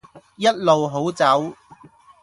一路好走